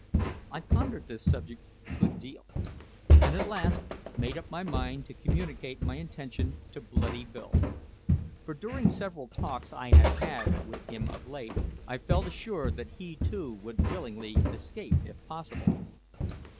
I pondered this subject a good deal, and at last made up my mind to communicate my intention to Bloody Bill; for during several talks I had had with him of late, I felt assured that he too would willingly escape if possible.